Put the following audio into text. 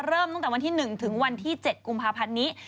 เริ่มตั้งแต่วันที่๑ถึงวันที่๗กุมภาพันธ์นี้